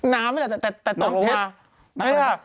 น้ำแต่ตกลงมา